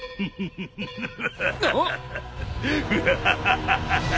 フハハハ。